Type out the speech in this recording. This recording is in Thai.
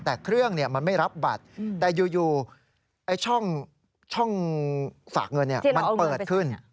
แต่เครื่องมันไม่รับบัตรแต่อยู่ช่องฝากเงินมันเปิดขึ้น